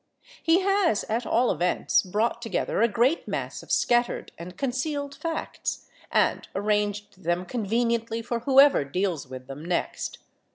He has, at all events, brought together a great mass of scattered and concealed facts, and arranged them conveniently for whoever deals with them next.